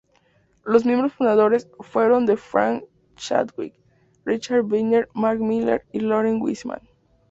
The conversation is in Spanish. Los miembros fundadores fueron de Frank Chadwick, Rich Banner, Marc Miller, y Loren Wiseman.